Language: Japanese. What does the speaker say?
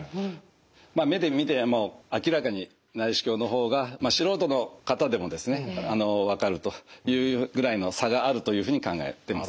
まあ目で見ても明らかに内視鏡の方が素人の方でもですね分かるというぐらいの差があるというふうに考えてます。